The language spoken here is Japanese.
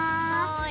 はい。